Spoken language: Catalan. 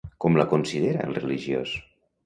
Com la considera, el religiós?